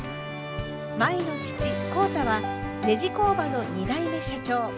舞の父浩太はネジ工場の２代目社長。